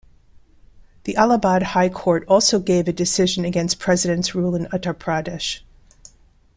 The Allahabad High Court also gave a decision against President's rule in Uttar Pradesh.